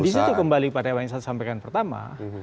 dan disitu kembali pada yang saya sampaikan pertama